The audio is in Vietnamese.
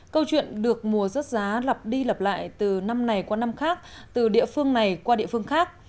câu chuyện được mùa rớt giá lặp đi lặp lại từ năm này qua năm khác từ địa phương này qua địa phương khác